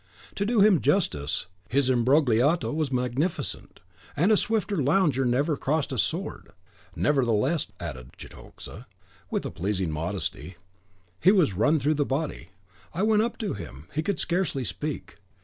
To do him justice, his imbrogliato was magnificent, and a swifter lounger never crossed a sword; nevertheless," added Cetoxa, with a pleasing modesty, "he was run through the body. I went up to him; he could scarcely speak.